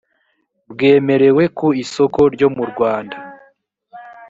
bwemerewe ku isoko ryo mu rwanda